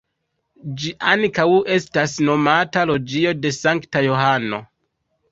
Ĝi ankaŭ estas nomata Loĝio de Sankta Johano.